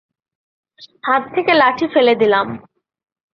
হাত থেকে লাঠি ফেলে দিলাম।